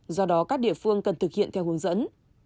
do đó các địa phương cần thực hiện theo hướng dẫn